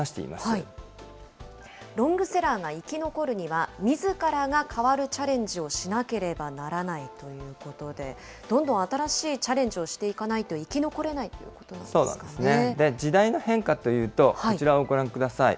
ロングセラーが生き残るには、みずからが変わるチャレンジをしなければならないということで、どんどん新しいチャレンジをしていかないと生き残れないというこそうですね、時代の変化というと、こちらをご覧ください。